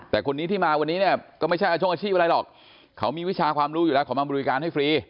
แต่คนนี้ที่มาวันนี้เนี่ยก็ไม่ใช่อาชงอาชีพอะไรหรอกเขามีวิชาความรู้อยู่แล้วเขามาบริการให้ฟรี